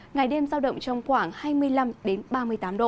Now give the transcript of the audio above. ngày đêm giao động trong khoảng hai mươi năm ba mươi tám độ